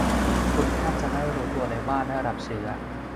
คุณแทบจะไม่รู้ตัวเลยว่าได้รับเชื้อ